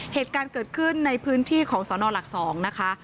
เหตุการณ์เกิดขึ้นในพื้นที่ของสนหลัก๒นะคะ